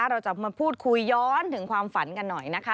เราจะมาพูดคุยย้อนถึงความฝันกันหน่อยนะคะ